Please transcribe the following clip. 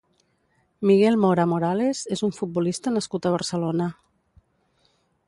Miguel Mora Morales és un futbolista nascut a Barcelona.